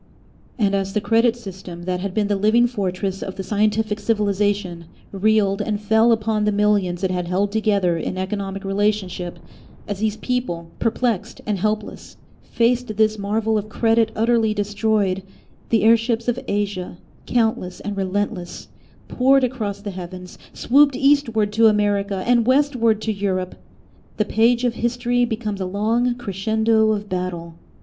And as the credit system, that had been the living fortress of the scientific civilisation, reeled and fell upon the millions it had held together in economic relationship, as these people, perplexed and helpless, faced this marvel of credit utterly destroyed, the airships of Asia, countless and relentless, poured across the heavens, swooped eastward to America and westward to Europe. The page of history becomes a long crescendo of battle.